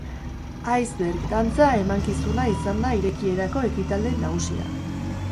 Iceberg dantza emankizuna izan da irekierako ekitaldi nagusia.